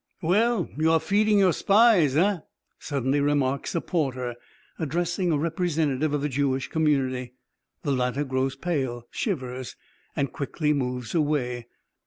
"Well, you are feeding your spies, eh?" suddenly remarks a porter, addressing a representative of the Jewish community. The latter grows pale, shivers, and quickly moves away.